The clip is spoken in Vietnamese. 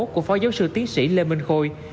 của phó giáo sư tiến sĩ lê minh khôi